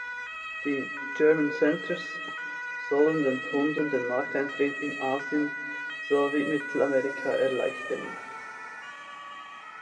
Die "German Centres" sollen den Kunden den Markteintritt in Asien, sowie Mittelamerika erleichtern.